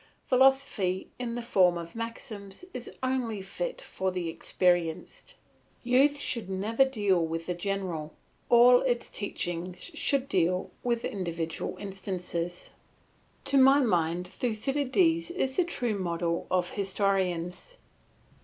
Philosophy in the form of maxims is only fit for the experienced. Youth should never deal with the general, all its teaching should deal with individual instances. To my mind Thucydides is the true model of historians.